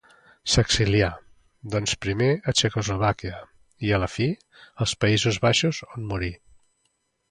S'exilià, doncs, primer a Txecoslovàquia i a la fi, als Països Baixos, on morí.